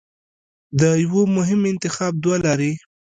د یوه مهم انتخاب دوه لارې